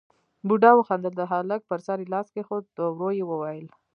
بوډا وخندل، د هلک پر سر يې لاس کېښود، ورو يې وويل: